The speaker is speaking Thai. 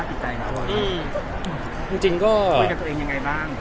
แต่ตอนนี้สภาพเราเป็นยังไงสภาพอีกใจมั้ง